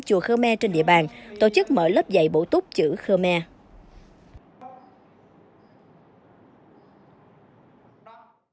chùa khmer trên địa bàn tổ chức mở lớp dạy bổ túc chữ khmer